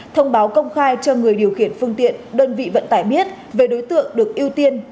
thông báo công khai cho người điều khiển phương tiện đơn vị vận tải biết về đối tượng được ưu tiên